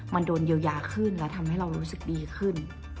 มันโดนเยียวยาขึ้นและทำให้เรารู้สึกดีขึ้น